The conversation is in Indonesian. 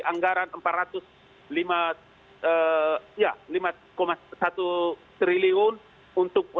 anggaran rp empat ratus lima satu triliun untuk